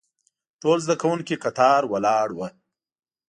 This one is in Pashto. ټول زده کوونکي کتار ولاړ وو.